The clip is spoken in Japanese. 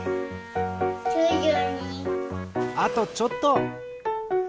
あとちょっと！